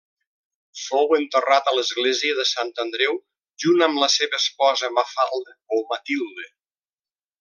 Fou enterrat a l'església de Sant Andreu junt amb la seva esposa Mafalda o Matilde.